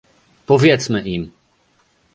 Powiedzmy im